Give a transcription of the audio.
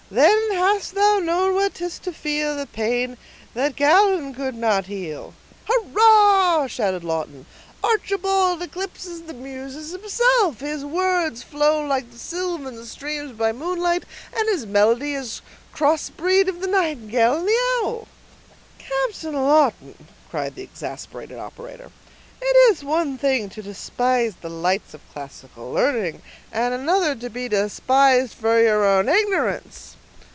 Then hast thou known what 'tis to feel The pain that Galen could not heal. "Hurrah!" shouted Lawton. "Archibald eclipses the Muses themselves; his words flow like the sylvan stream by moonlight, and his melody is a crossbreed of the nightingale and the owl." "Captain Lawton," cried the exasperated operator, "it is one thing to despise the lights of classical learning, and another to be despised for your own ignorance!"